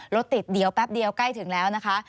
รถติดเดี๋ยวแป๊บเดียวใกล้ถึงแล้วนะคะ